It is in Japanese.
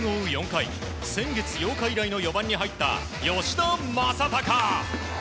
４回先月８日以来の４番に入った吉田正尚。